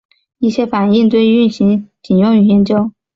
一些反应堆运行仅用于研究。